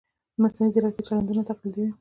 د مصنوعي ځیرکتیا چلندونه تقلیدوي.